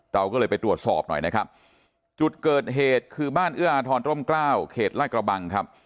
เราก็เลยไปตรวจสอบหน่อยนะครับจุดเกิดเหตุคือบ้านเอื้ออาทรร่มกล้าวเขตลาดกระบังครับ